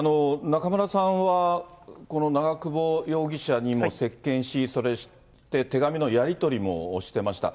中村さんは、この長久保容疑者にも接見し、そして手紙のやり取りもしてました。